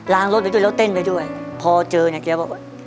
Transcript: ล้างรถไปด้วยแล้วเต้นไปด้วยพอเจอเนี้ยแค่ว่า